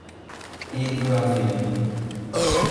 Pedro Avelino